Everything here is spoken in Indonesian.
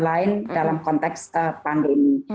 lain dalam konteks pandemi